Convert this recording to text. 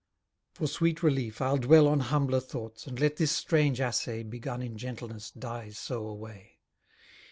For sweet relief I'll dwell On humbler thoughts, and let this strange assay Begun in gentleness die so away.